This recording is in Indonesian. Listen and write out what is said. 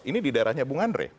ini di daerahnya bung andre